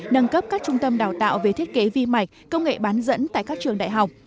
nâng cấp các trung tâm đào tạo về thiết kế vi mạch công nghệ bán dẫn tại các trường đại học